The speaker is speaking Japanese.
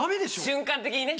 瞬間的にね